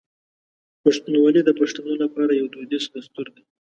پښتونولي د پښتنو لپاره یو دودیز دستور دی.